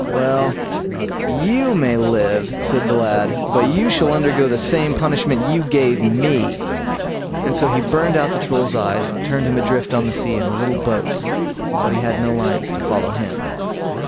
"Well, you may live", said the lad, "but you shall undergo the same punishment you gave me"; and so he burned out the Troll's eyes, and turned him adrift on the sea in a little boat, but he had no lions to follow him.